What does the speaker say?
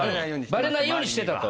バレないようにしてたと。